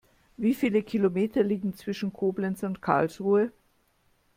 Wie viele Kilometer liegen zwischen Koblenz und Karlsruhe?